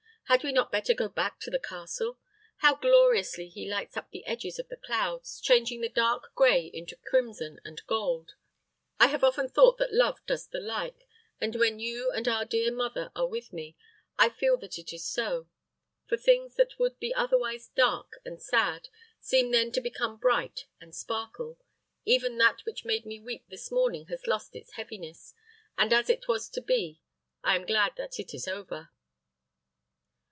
Had we not better go back to the castle? How gloriously he lights up the edges of the clouds, changing the dark gray into crimson and gold. I have often thought that love does the like; and when you and our dear mother are with me, I feel that it is so; for things that would be otherwise dark and sad seem then to become bright and sparkle. Even that which made me weep this morning has lost its heaviness, and as it was to be, I am glad that it is over."